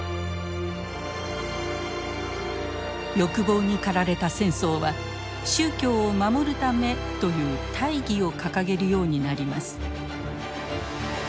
欲望に駆られた戦争は「宗教を守るため」という大義を掲げるようになります。